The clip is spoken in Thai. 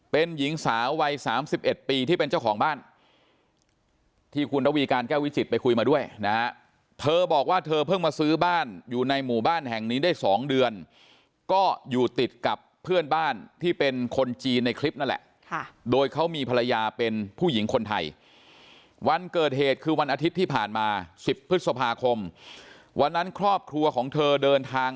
เป็นหญิงสาววัย๓๑ปีที่เป็นเจ้าของบ้านที่คุณระวีการแก้ววิจิตไปคุยมาด้วยนะฮะเธอบอกว่าเธอเพิ่งมาซื้อบ้านอยู่ในหมู่บ้านแห่งนี้ได้๒เดือนก็อยู่ติดกับเพื่อนบ้านที่เป็นคนจีนในคลิปนั่นแหละโดยเขามีภรรยาเป็นผู้หญิงคนไทยวันเกิดเหตุคือวันอาทิตย์ที่ผ่านมา๑๐พฤษภาคมวันนั้นครอบครัวของเธอเดินทาง